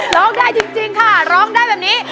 ร้องได้จริงค่ะร้องได้แบบนี้